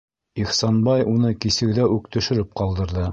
Ихсанбай уны кисеүҙә үк төшөрөп ҡалдырҙы.